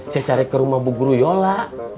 saya cari ke rumah bu guru yola